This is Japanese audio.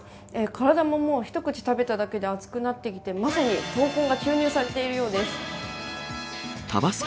体ももう一口食べただけで熱くなってきて、まさに闘魂が注入されているようです。